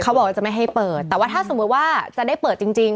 บอกว่าจะไม่ให้เปิดแต่ว่าถ้าสมมุติว่าจะได้เปิดจริงจริง